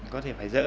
có thể phải dỡ